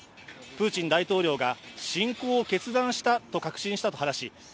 プーチン大統領が侵攻を決断したと確信したと話し